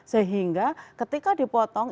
sehingga ketika dipotong